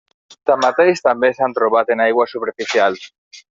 Tanmateix, també s'han trobat en aigües superficials.